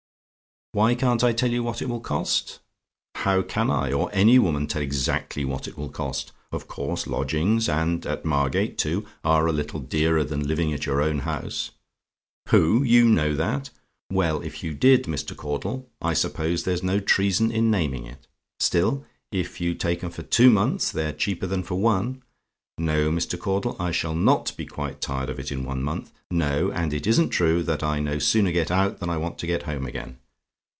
"WHY CAN'T I TELL YOU WHAT IT WILL COST? "How can I or any woman tell exactly what it will cost? Of course lodgings and at Margate, too are a little dearer than living at your own house. "POOH! YOU KNOW THAT? "Well, if you did, Mr. Caudle, I suppose there's no treason in naming it. Still, if you take 'em for two months, they're cheaper than for one. No, Mr. Caudle, I shall not be quite tired of it in one month. No: and it isn't true that I no sooner get out than I want to get home again.